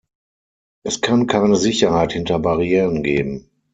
Es kann keine Sicherheit hinter Barrieren geben.